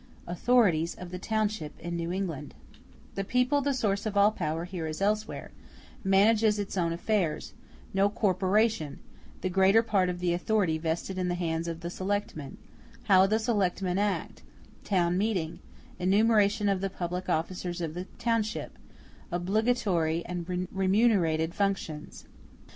] Authorities Of The Township In New England The people the source of all power here as elsewhere—Manages its own affairs—No corporation—The greater part of the authority vested in the hands of the Selectmen—How the Selectmen act—Town meeting—Enumeration of the public officers of the township—Obligatory and remunerated functions.